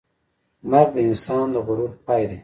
مرګ د انسان د غرور پای دی.